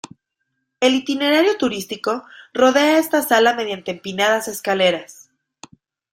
El itinerario turístico rodea esta sala mediante empinadas escaleras.